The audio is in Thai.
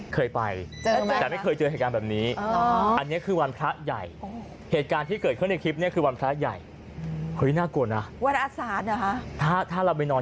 เคยไปนอนไม่เจอแต่ไม่เคยเจอเหตุการณ์แบบนี้